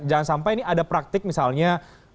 jangan sampai ini ada praktik misalnya